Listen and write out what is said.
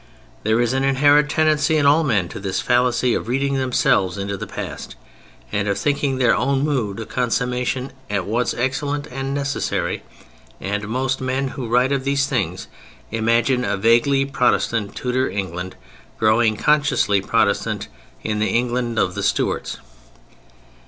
There is an inherent tendency in all men to this fallacy of reading themselves into the past, and of thinking their own mood a consummation at once excellent and necessary: and most men who write of these things imagine a vaguely Protestant Tudor England growing consciously Protestant in the England of the Stuarts.